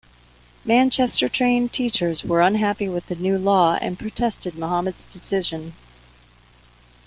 Manchester-trained teachers were unhappy with the new law and protested Mohamad's decision.